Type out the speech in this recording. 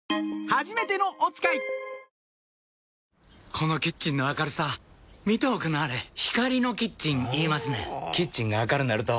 このキッチンの明るさ見ておくんなはれ光のキッチン言いますねんほぉキッチンが明るなると・・・